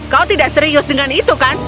kau tidak serius dengan itu kan